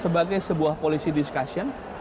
sebagai sebuah polisi discussion